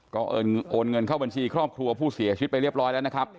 ก็โอนเงินเข้าบัญชีครอบครัวผู้เสียชีวิตไปเรียบร้อยแล้วนะครับ